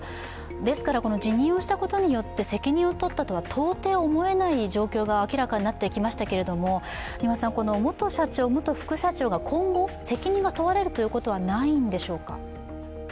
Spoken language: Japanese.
ですから辞任をしたことによって責任を取ったとは到底思えない状況が明らかになってきましたが、元社長、元副社長が今後、責任が問われることはないんでしょうか？